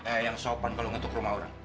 eh yang sopan kalau ngantuk rumah orang